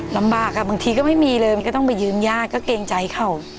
ลำบากอ่ะบางทีก็ไม่มีเลยมันก็ต้องไปยืมญาติก็เกรงใจเขา